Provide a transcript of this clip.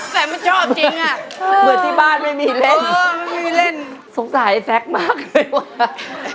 แต่มันชอบจริงอ่ะเหมือนที่บ้านไม่มีเล่นไม่มีเล่นสงสัยแซคมากเลยว่า